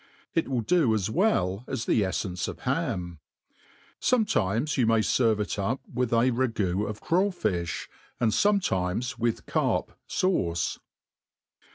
It will do as well as the efience of ham. Sometimes you may ferve it up with a ragoo of crawfifb^ and fometimes with carp fauce.